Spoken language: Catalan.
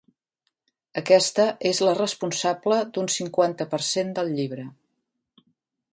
Aquesta és la responsable d'un cinquanta per cent del llibre.